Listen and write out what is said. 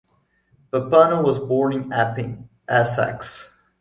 Pappano was born in Epping, Essex.